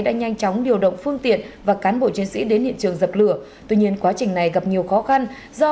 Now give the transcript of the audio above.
đã nhanh chóng điều động phương tiện và cán bộ chiến sĩ đến hiện trường dập lửa tuy nhiên quá trình này gặp nhiều khó khăn do